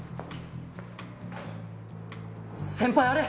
先輩あれ！